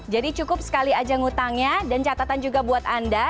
jadi cukup sekali aja hutangnya dan catatan juga buat anda